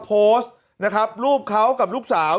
โพสต์รูปเขากับลูกสาว